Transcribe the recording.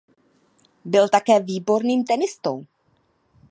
Byl také výborným tenistou.